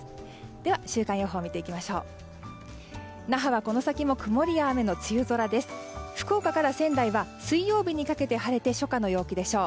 では週間予報見ていきましょう。